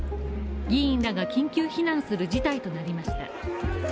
議員らが緊急避難する事態となりました